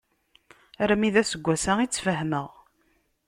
Armi d aseggas-a i tt-fehmeɣ.